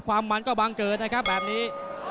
มันก็บังเกิดนะครับแบบนี้